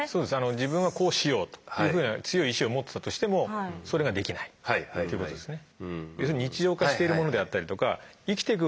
自分はこうしようというふうな強い意志を持ってたとしてもそれができないってことですね。